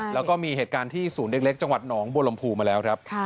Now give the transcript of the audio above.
แล้วก็มีเหตุการณ์ที่ศูนย์เล็กจังหวัดหนองบัวลำพูมาแล้วครับ